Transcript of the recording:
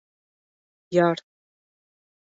— Яр...